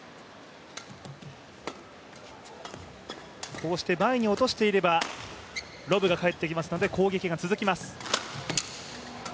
こうして前に落としていればロブが返ってきますので攻撃が続きます。